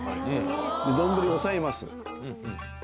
で丼を押さえます。